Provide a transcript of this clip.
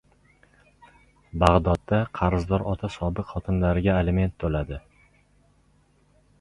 Bag‘dodda qarzdor ota sobiq xotinlariga aliment to‘ladi